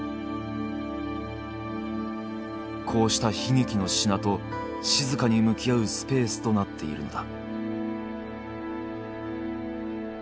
こうした悲劇の品と静かに向き合うスペースとなっているのだ。